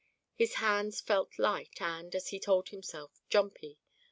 His hands felt light and, as he told himself, "jumpy."